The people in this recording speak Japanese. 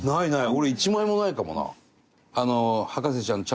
俺一枚もないかもな。